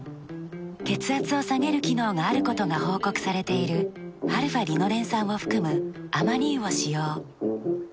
血圧を下げる機能があることが報告されているαーリノレン酸を含むアマニ油を使用。